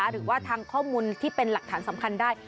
หรือว่าทางข้อมูลที่เป็นหลักฐานสำคัญได้